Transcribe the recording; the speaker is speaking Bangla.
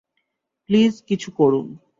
প্লিজ কিছু করুন।